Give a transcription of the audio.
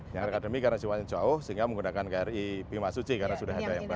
yang akademi karena jumlahnya jauh sehingga menggunakan kri bimasuci karena sudah ada yang baru